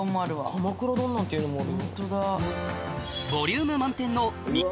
鎌倉丼なんていうのもある。